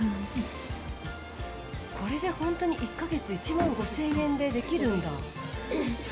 これでホントに１か月１万５０００円でできるんだ。